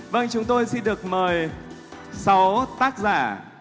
vâng chúng tôi xin được mời sáu tác giả